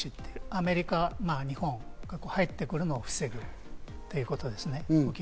アメリカ、日本が入ってくるのを防ぐということですね。